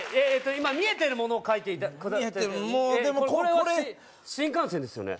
今見えてるものを描いていたもうでもこれは新幹線ですよね